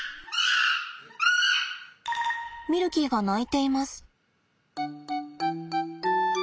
ミルキーが鳴いています。